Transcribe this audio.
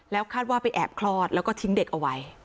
คาดว่าไปแอบคลอดแล้วก็ทิ้งเด็กเอาไว้